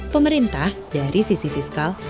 pemerintah dari sisi fiskal